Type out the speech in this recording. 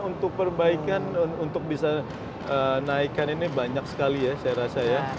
untuk perbaikan untuk bisa naikkan ini banyak sekali ya saya rasa ya